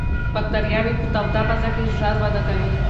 باکتریاوې په توده فضا کې ژر وده کوي.